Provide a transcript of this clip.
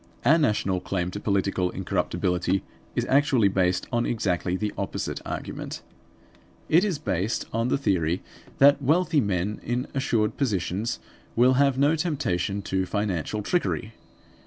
Our national claim to political incorruptibility is actually based on exactly the opposite argument; it is based on the theory that wealthy men in assured positions will have no temptation to financial trickery.